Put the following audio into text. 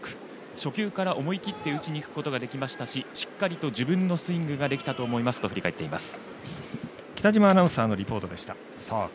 初球から思い切って打ちにいくことができましたししっかりと自分のスイングができたと思いますと振り返っています。